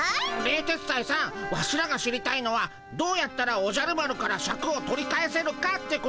冷徹斎さんワシらが知りたいのはどうやったらおじゃる丸からシャクを取り返せるかってことでゴンス。